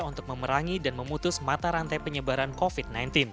untuk memerangi dan memutus mata rantai penyebaran covid sembilan belas